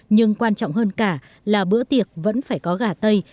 nhưng quan trọng hơn cả là bữa tiệc vẫn phải có gà tây